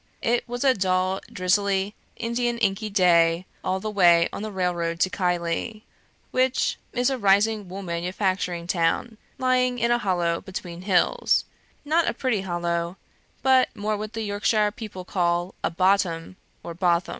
"It was a dull, drizzly Indian inky day, all the way on the railroad to Keighley, which is a rising wool manufacturing town, lying in a hollow between hills not a pretty hollow, but more what the Yorkshire people call a 'bottom,' or 'botham.'